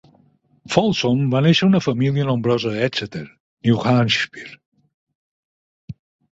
Folsom va néixer a una família nombrosa a Exeter, New Hampshire.